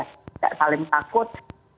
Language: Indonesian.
tidak saling takut